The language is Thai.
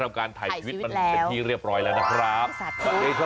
ทำการถ่ายชีวิตเป็นทีเรียบร้อยแล้วนะครับถ่ายชีวิตแล้ว